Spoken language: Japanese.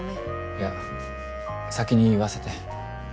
いや先に言わせて。